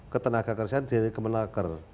ketenagakerjaan dari kemenaker